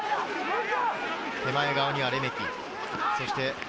手前側にはレメキ。